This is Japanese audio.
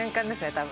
多分。